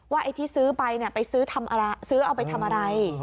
ไอ้ที่ซื้อไปไปซื้อเอาไปทำอะไร